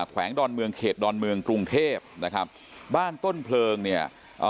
แวงดอนเมืองเขตดอนเมืองกรุงเทพนะครับบ้านต้นเพลิงเนี่ยเอ่อ